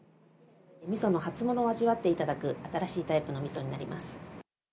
みその初物を味わっていただく新しいタイプのみそになります。